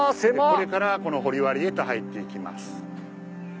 これからこの掘割へと入っていきます。